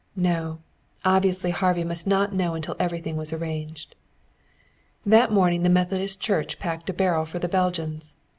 No, obviously Harvey must not know until everything was arranged. That morning the Methodist Church packed a barrel for the Belgians.